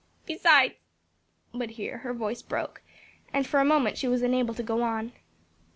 Besides " but here her voice broke, and for a moment she was unable to go on.